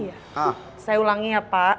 iya saya ulangi ya pak